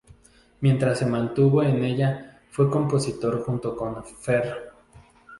Mientras se mantuvo en ella fue compositor junto con Fher.